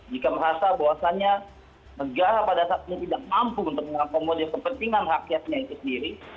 jika merasa bahwasannya negara pada saat ini tidak mampu untuk mengakomodir kepentingan rakyatnya itu sendiri